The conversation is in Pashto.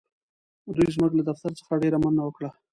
دوی زموږ له دفتر څخه ډېره مننه وکړه.